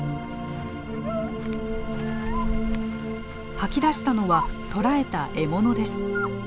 吐き出したのは捕らえた獲物です。